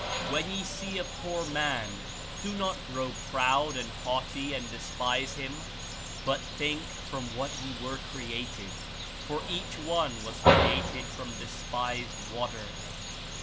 When ye see a poor man do not grow proud and haughty and despise him, but think from what ye were created, for each one was created from despised water.